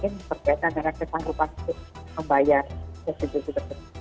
mungkin perbaikan dengan kesan rupas membayar restitusi tersebut